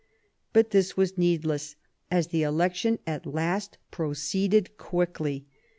But this was needless, as the election at last proceeded quickly.